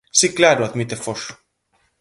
Si claro, admite Foxo.